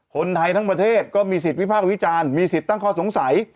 คนไทยทั้งประเทศก็มีสิทธิ์วิพากษ์วิจารณ์มีสิทธิ์ตั้งข้อสงสัย